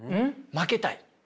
負けたい？